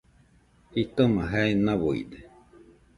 Jitoma jae nauide